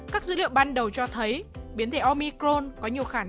các dữ liệu ban đầu cho thấy biến thể omicrone có nhiều khả năng